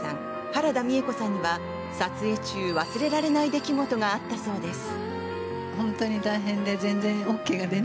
原田美枝子さんには撮影中、忘れられない出来事があったそうです。